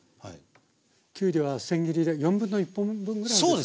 きゅうりはせん切りで1/4本分ぐらいですか？